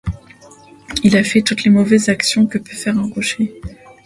Il a fait toutes les mauvaises actions que peut faire un rocher.